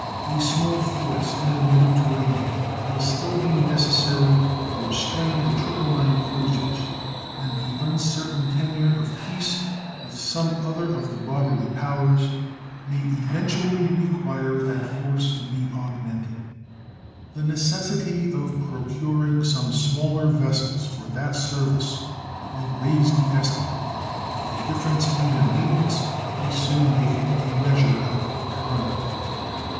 A small force in the Mediterranean will still be necessary to restrain the Tripoline cruisers, and the uncertain tenure of peace with some other of the Barbary Powers may eventually require that force to be augmented. The necessity of procuring some smaller vessels for that service will raise the estimate, but the difference in their maintenance will soon make it a measure of economy.